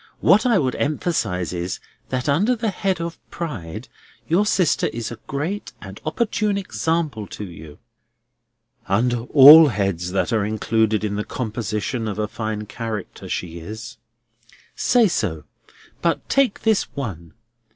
What I would emphasise is, that under the head of Pride your sister is a great and opportune example to you." "Under all heads that are included in the composition of a fine character, she is." "Say so; but take this one.